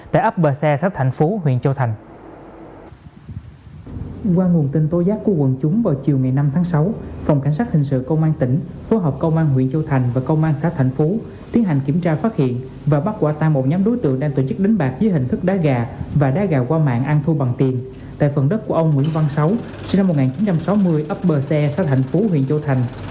tại phần đất của ông nguyễn văn sáu sinh năm một nghìn chín trăm sáu mươi ấp bờ xe xa thành phố huyện châu thành